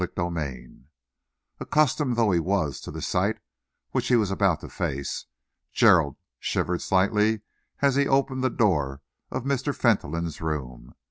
CHAPTER V Accustomed though he was to the sight which he was about to face, Gerald shivered slightly as he opened the door of Mr. Fentolin's room.